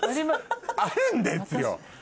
あるんですよ。